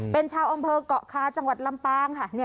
เป็นชาวอำเภอกเกาะคาจังหวัดลำปางค่ะ